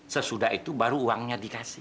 sesudah itu baru uangnya dikasih